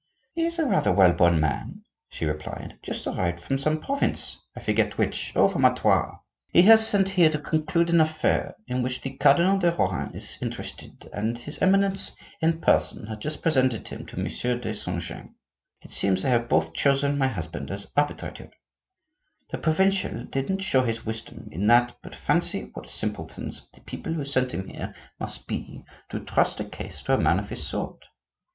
"He is a rather well born man," she replied; "just arrived from some province, I forget which—oh! from Artois. He is sent here to conclude an affair in which the Cardinal de Rohan is interested, and his Eminence in person had just presented him to Monsieur de Saint James. It seems they have both chosen my husband as arbitrator. The provincial didn't show his wisdom in that; but fancy what simpletons the people who sent him here must be to trust a case to a man of his sort!